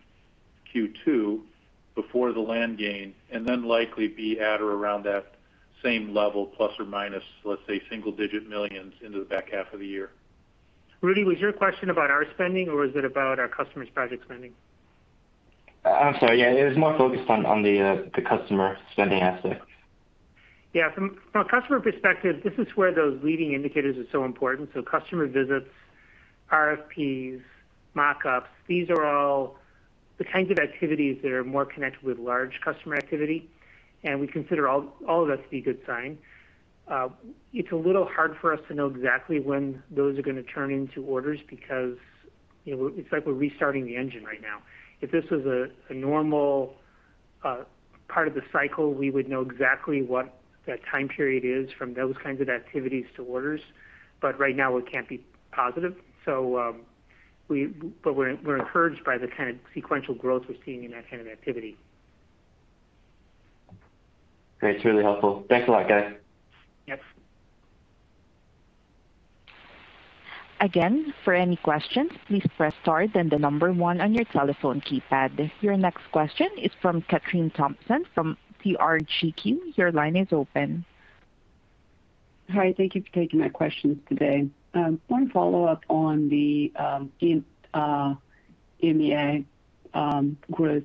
Q2 before the land gain, and then likely be at or around that same level, plus or minus, let's say, single-digit millions into the back half of the year. Rudy, was your question about our spending, or was it about our customers' project spending? I'm sorry. Yeah, it was more focused on the customer spending aspect. Yeah. From a customer perspective, this is where those leading indicators are so important. Customer visits, RFPs, mock-ups, these are all the kind of activities that are more connected with large customer activity, and we consider all of that to be a good sign. It's a little hard for us to know exactly when those are going to turn into orders, because it's like we're restarting the engine right now. If this was a normal part of the cycle, we would know exactly what that time period is from those kinds of activities to orders. Right now, we can't be positive. We're encouraged by the kind of sequential growth we're seeing in that kind of activity. Great. That's really helpful. Thanks a lot, guys. Yep. Again, for any questions, please press star then the number one on your telephone keypad. Your next question is from Kathryn Thompson from TRG. Your line is open. Hi, thank you for taking my questions today. One follow-up on the EMEA growth.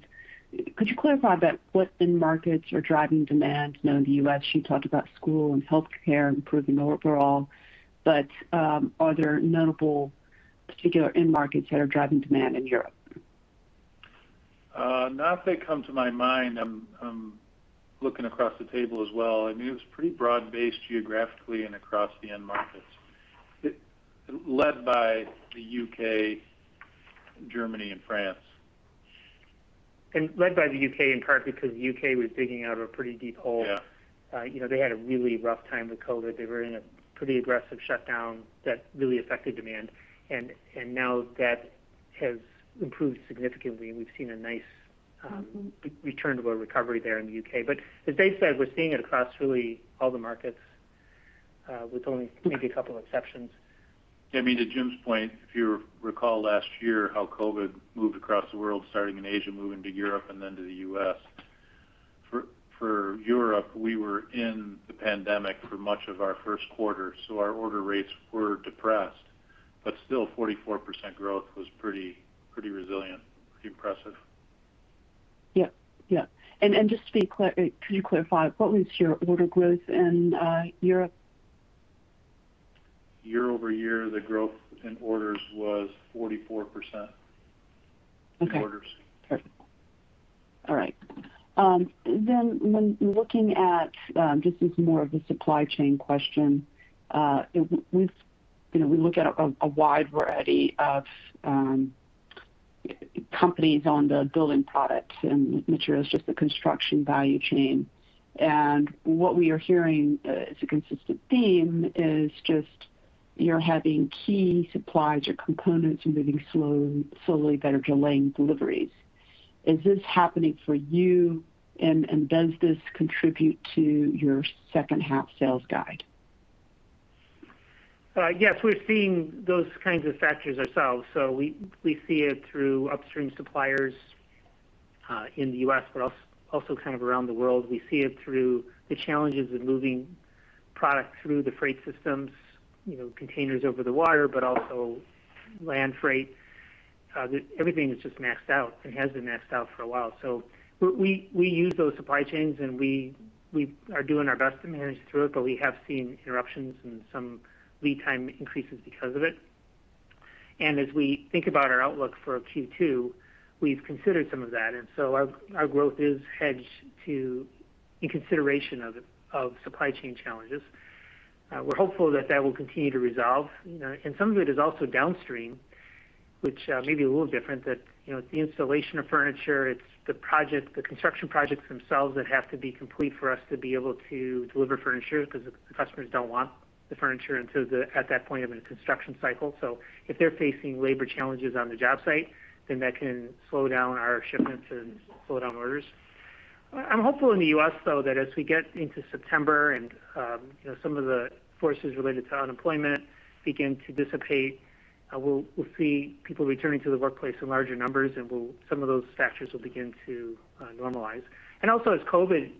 Could you clarify what end markets are driving demand in the U.S.? You talked about school and healthcare improving overall, are there notable particular end markets that are driving demand in Europe? Not that come to my mind. I'm looking across the table as well. I mean, it was pretty broad-based geographically and across the end markets. Led by the U.K., Germany, and France. Led by the U.K., in part because the U.K. was digging out of a pretty deep hole. Yeah. They had a really rough time with COVID. They were in a pretty aggressive shutdown that really affected demand. Now that has improved significantly, and we've seen a nice return to a recovery there in the U.K. As Dave said, we're seeing it across really all the markets with only maybe a couple exceptions. *audio distortion* to Jim's point, if you recall last year how COVID moved across the world, starting in Asia, moving to Europe, and then to the U.S. For Europe, we were in the pandemic for much of our first quarter, our order rates were depressed. Still, 44% growth was pretty resilient, pretty impressive. Yeah. Just to clarify, what was your order growth in Europe? Year-over-year, the growth in orders was 44%. Okay. Orders. Perfect. All right. Looking at, this is more of a supply chain question. We look at a wide variety of companies on the building products and materials of the construction value chain. What we are hearing as a consistent theme is just you're having key supplies or components moving slowly that are delaying deliveries. Is this happening for you, and does this contribute to your second half sales guide? Yes, we're seeing those kinds of factors ourselves. We see it through upstream suppliers in the U.S., but also around the world. We see it through the challenges of moving product through the freight systems, containers over the water, but also land freight. Everything is just maxed out and has been maxed out for a while. We use those supply chains, and we are doing our best in there historically. We have seen interruptions and some lead time increases because of it. As we think about our outlook for Q2, we've considered some of that. Our growth is hedged to in consideration of supply chain challenges. We're hopeful that that will continue to resolve. Some of it is also downstream, which may be a little different, that the installation of furniture, it's the construction projects themselves that have to be complete for us to be able to deliver furniture because the customers don't want the furniture until they're at that point in the construction cycle. If they're facing labor challenges on the job site, then that can slow down our shipments and slow down orders. I'm hopeful in the U.S., though, that as we get into September and some of the forces related to unemployment begin to dissipate, we'll see people returning to the workplace in larger numbers and some of those factors will begin to normalize. Also as COVID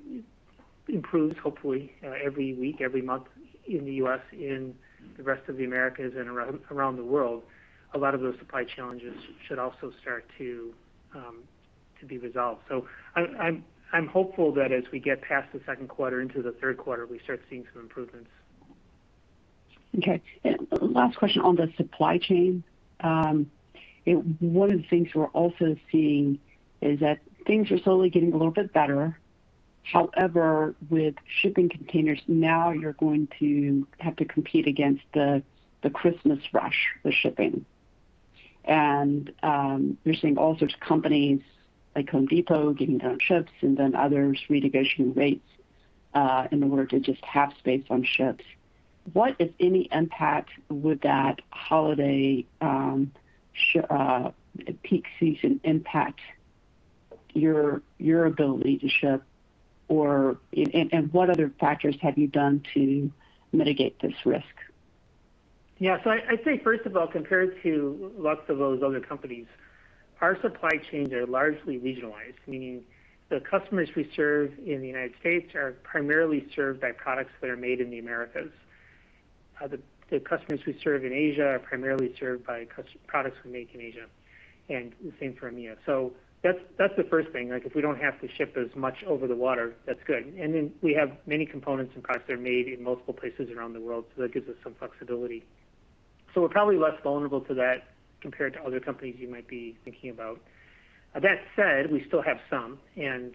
improves, hopefully, every week, every month in the U.S., in the rest of the Americas and around the world, a lot of those supply challenges should also start to be resolved. I'm hopeful that as we get past the second quarter into the third quarter, we start seeing some improvements. Last question on the supply chain. One of the things we're also seeing is that things are slowly getting a little bit better. However, with shipping containers, now you're going to have to compete against the Christmas rush for shipping. You're seeing all sorts of companies like The Home Depot getting their own ships and then others renegotiating rates in order to just have space on ships. What, if any, impact would that holiday peak season impact your ability to ship, and what other factors have you done to mitigate this risk? Yeah. I think, first of all, compared to lots of those other companies, our supply chains are largely regionalized, meaning the customers we serve in the United States are primarily served by products that are made in the Americas. The customers we serve in Asia are primarily served by products we make in Asia, and the same for EMEA. That's the first thing. If we don't have to ship as much over the water, that's good. Then we have many components and products that are made in multiple places around the world, so that gives us some flexibility. We're probably less vulnerable to that compared to other companies you might be thinking about. That said, we still have some, and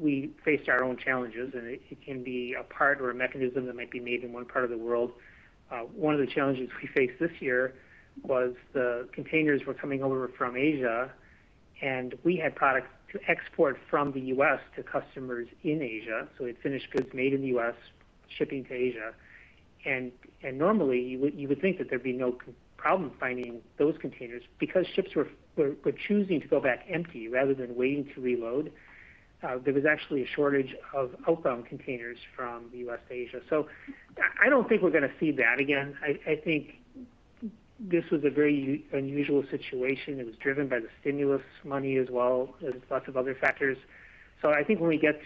we faced our own challenges, and it can be a part or a mechanism that might be made in one part of the world. One of the challenges we faced this year was the containers were coming over from Asia, and we had products to export from the U.S. to customers in Asia. We had finished goods made in the U.S. shipping to Asia. Normally, you would think that there'd be no problem finding those containers because ships were choosing to go back empty rather than waiting to reload. There was actually a shortage of outbound containers from the U.S. to Asia. I don't think we're going to see that again. I think this was a very unusual situation. It was driven by the stimulus money as well as lots of other factors. I think when we get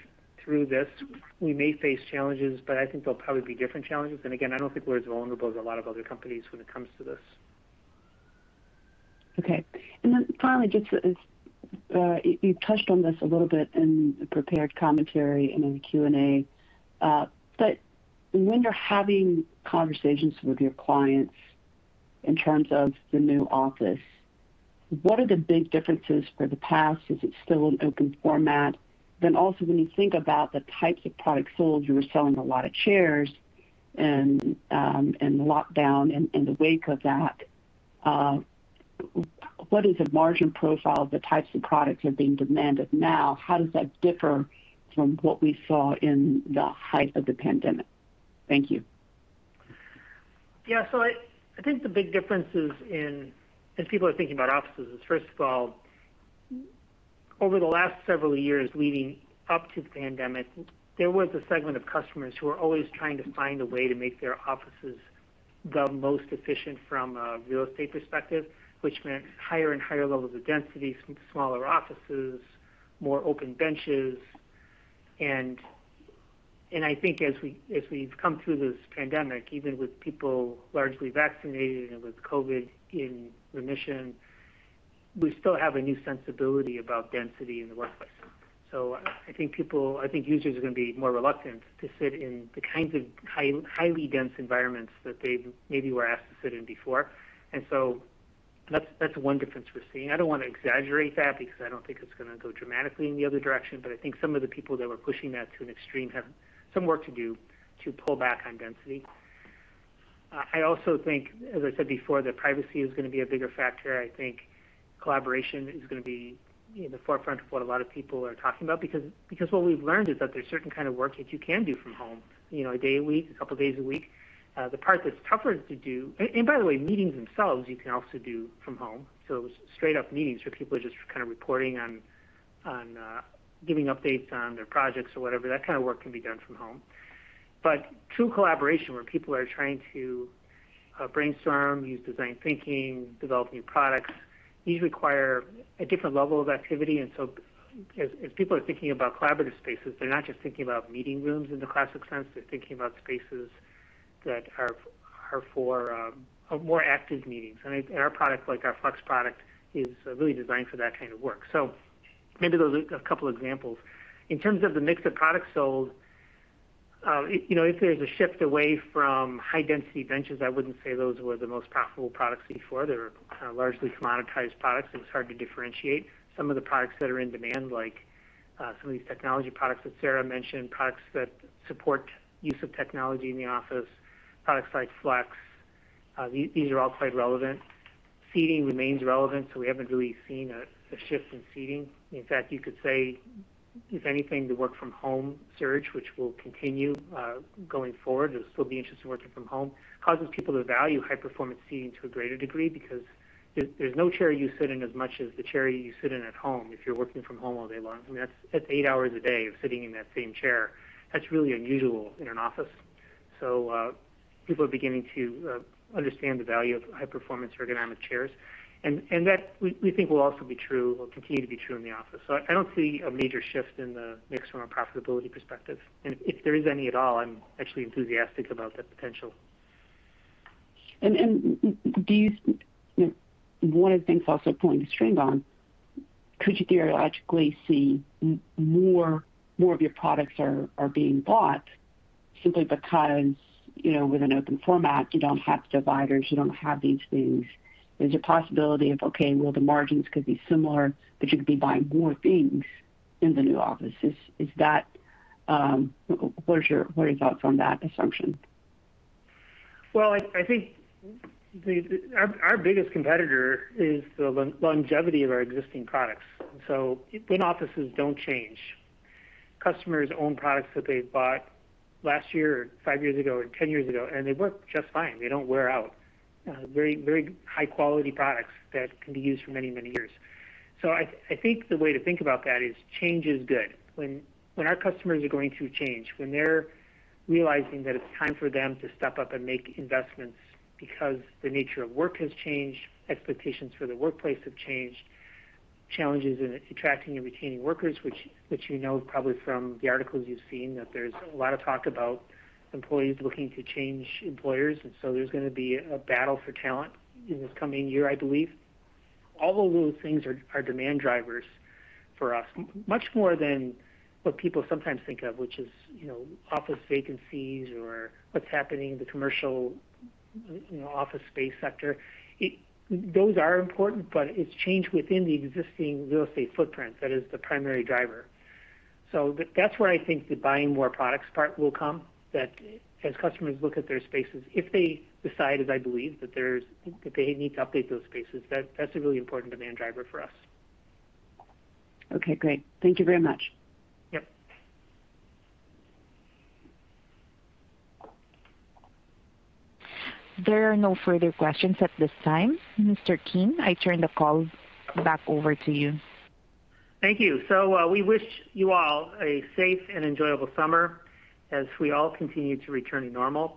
through this, we may face challenges, but I think they'll probably be different challenges. Again, I don't think we're as vulnerable as a lot of other companies when it comes to this. Okay. Finally, you touched on this a little bit in the prepared commentary and in Q&A, but when you're having conversations with your clients in terms of the new office, what are the big differences for the past? Is it still an open format? Also when you think about the types of products sold, you were selling a lot of chairs in lockdown. In the wake of that, what is the margin profile of the types of products that are being demanded now? How does that differ from what we saw in the height of the pandemic? Thank you. I think the big difference is in, as people are thinking about offices, is first of all, over the last several years leading up to the pandemic, there was a segment of customers who were always trying to find a way to make their offices the most efficient from a real estate perspective, which meant higher and higher levels of density, some smaller offices, more open benches. I think as we've come through this pandemic, even with people largely vaccinated and with COVID in remission, we still have a new sensibility about density in the workplace. I think users are going to be more reluctant to sit in the kinds of highly dense environments that they maybe were asked to sit in before. That's one difference we're seeing. I don't want to exaggerate that because I don't think it's going to go dramatically in the other direction. I think some of the people that were pushing that to an extreme have some work to do to pull back on density. I also think, as I said before, that privacy is going to be a bigger factor. I think collaboration is going to be in the forefront of what a lot of people are talking about because what we've learned is that there's certain kind of work that you can do from home, a day a week, a couple days a week. The part that's tougher to do. By the way, meetings themselves, you can also do from home. Straight up meetings where people are just kind of reporting on giving updates on their projects or whatever, that kind of work can be done from home. True collaboration where people are trying to brainstorm, use design thinking, develop new products, these require a different level of activity. As people are thinking about collaborative spaces, they're not just thinking about meeting rooms in the classic sense. They're thinking about spaces that are for more active meetings. Our product, like our Flex product, is really designed for that kind of work. Maybe those are a couple examples. In terms of the mix of products sold, if there's a shift away from high-density benches, I wouldn't say those were the most profitable products before. They were kind of largely commoditized products that was hard to differentiate. Some of the products that are in demand, like some of these technology products that Sara mentioned, products that support use of technology in the office, products like Flex, these are all quite relevant. Seating remains relevant. We haven't really seen a shift in seating. In fact, you could say, if anything, the work from home surge, which will continue going forward, there's still the interest of working from home, causes people to value high-performance seating to a greater degree because there's no chair you sit in as much as the chair you sit in at home if you're working from home all day long. I mean, that's eight hours a day of sitting in that same chair. That's really unusual in an office. People are beginning to understand the value of high-performance ergonomic chairs. That we think will also be true or continue to be true in the office. I don't see a major shift in the mix from a profitability perspective. If there is any at all, I'm actually enthusiastic about that potential. One of the things also pulling the string on, could you theoretically see more of your products are being bought simply because, with an open format, you don't have dividers, you don't have these things. There's a possibility of, okay, well, the margins could be similar, but you could be buying more things in the new office. What are your thoughts on that assumption? I think our biggest competitor is the longevity of our existing products. When offices don't change, customers own products that they've bought last year or five years ago or 10 years ago, and they work just fine. They don't wear out. Very high-quality products that can be used for many, many years. I think the way to think about that is change is good. When our customers are going through change, when they're realizing that it's time for them to step up and make investments because the nature of work has changed, expectations for the workplace have changed, challenges in attracting and retaining workers, which you know probably from the articles you've seen, that there's a lot of talk about employees looking to change employers. There's going to be a battle for talent in this coming year, I believe. All of those things are demand drivers for us, much more than what people sometimes think of, which is office vacancies or what's happening in the commercial office space sector. Those are important, it's change within the existing real estate footprint that is the primary driver. That's where I think the buying more products part will come, that as customers look at their spaces, if they decide, as I believe, that they need to update those spaces, that's a really important demand driver for us. Okay, great. Thank you very much. Yep. There are no further questions at this time. Mr. Keane, I turn the call back over to you. Thank you. We wish you all a safe and enjoyable summer as we all continue to return to normal.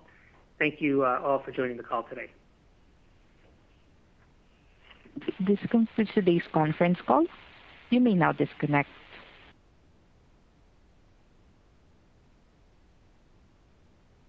Thank you all for joining the call today. This concludes today's conference call. You may now disconnect.